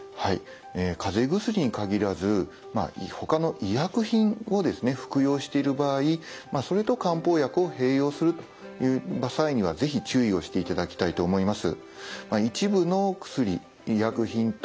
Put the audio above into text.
かぜ薬に限らずほかの医薬品を服用している場合それと漢方薬を併用するという際には是非注意をしていただきたいと思います。